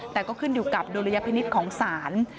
แต่ก็ขึ้นอยู่กับดุลยพินิษฐ์ของศาล